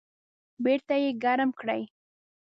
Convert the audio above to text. بیرته یې ګرم کړئ